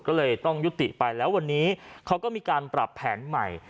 ก็เลยต้องยุติไปแล้ววันนี้เขาก็มีการปรับแผนใหม่